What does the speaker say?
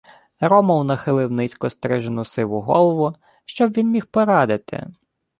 Ромул нахилив низько стрижену сиву голову. Що б він міг порадити?